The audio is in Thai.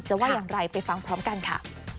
ว่าอย่างไรไปฟังพร้อมกันค่ะ